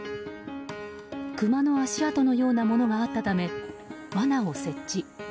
クマの足跡のようなものがあったため罠を設置。